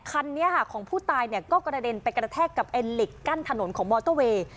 คันนี้ค่ะของผู้ตายเนี่ยก็กระเด็นไปกระแทกกับไอ้เหล็กกั้นถนนของมอเตอร์เวย์